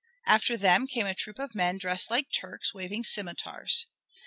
After them came a troop of men dressed like Turks, waving scimitars.